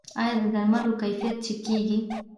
آیا د درملو کیفیت چک کیږي؟